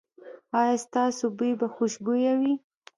ایا ستاسو بوی به خوشبويه وي؟